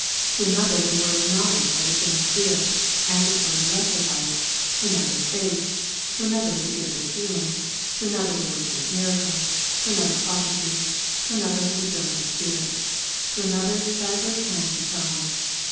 To another the word ofknoivledge by the same Spirit, as it were the lesser light : to another faith ; to another the gift of healing ; to another the working of miracles; to another pro phecy ; to another discerning of spirits; to another divers kinds of tongues.